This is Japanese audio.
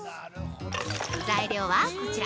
材料はこちら。